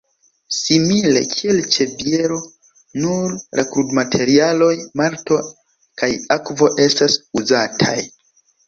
Simile kiel ĉe biero nur la krudmaterialoj malto kaj akvo estas uzataj.